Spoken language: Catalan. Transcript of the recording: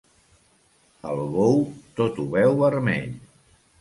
El bou tot ho veu vermell.